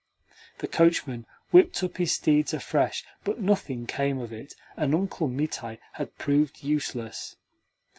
The coachman whipped up his steeds afresh, but nothing came of it, and Uncle Mitai had proved useless.